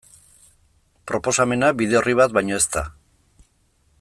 Proposamena bide orri bat baino ez da.